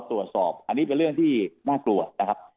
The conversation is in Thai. อันนี้เป็นเรื่องที่น่ากลัวนะครับ